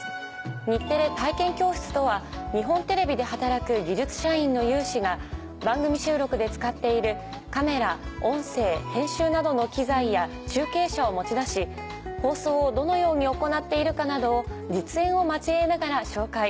日テレ体験教室とは日本テレビで働く技術社員の有志が番組収録で使っているカメラ音声編集などの機材や中継車を持ち出し放送をどのように行っているかなどを実演を交えながら紹介。